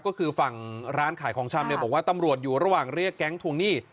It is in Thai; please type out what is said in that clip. ก็คือฝั่งร้านขายของชำเนี่ยบอกว่าตำรวจอยู่ระหว่างเรียกแก๊งทวงหนี้